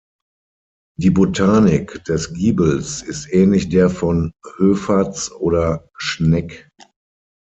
Die Botanik des Giebels ist ähnlich der von Höfats oder Schneck.